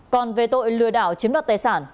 còn về tội lừa đảo chiếm đoạt tài sản